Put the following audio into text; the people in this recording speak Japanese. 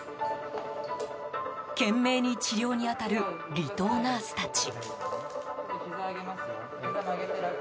懸命に治療に当たる離島ナースたち。